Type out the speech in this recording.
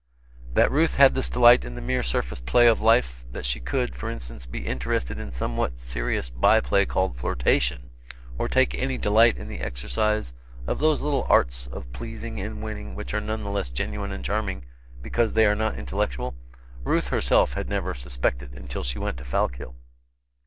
That Ruth had this delight in the mere surface play of life that she could, for instance, be interested in that somewhat serious by play called "flirtation," or take any delight in the exercise of those little arts of pleasing and winning which are none the less genuine and charming because they are not intellectual, Ruth, herself, had never suspected until she went to Fallkill.